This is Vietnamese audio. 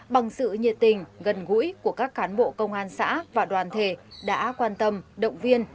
bằng sự nhiệt tình gần gũi của các cán bộ công an xã và đoàn thể đã quan tâm động viên